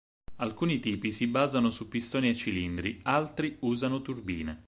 Alcuni tipi si basano su pistoni e cilindri, altri usano turbine.